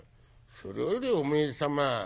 「それよりおめえ様